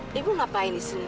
ibu ibu ngapain disini